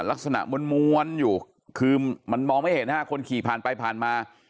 ลักษณะม้วนอยู่คือมันมองไม่เห็นฮะคนขี่ผ่านไปผ่านมา